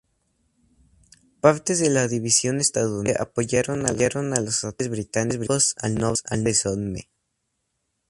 Partes de la división estadounidense apoyaron a los atacantes británicos al norte del Somme.